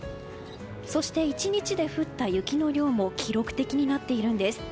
そして、１日で降った雪の量も記録的になっているんです。